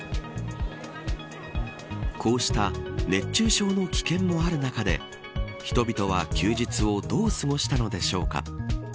こうした熱中症の危険もある中で人々は休日をどう過ごしたのでしょうか。